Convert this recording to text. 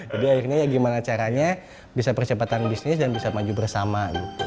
jadi akhirnya ya gimana caranya bisa percepatan bisnis dan bisa maju bersama